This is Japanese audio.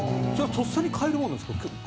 とっさに変えられるものなんですか。